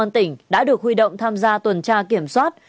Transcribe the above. tỉnh đã được huy động tham gia tuần tra kiểm soát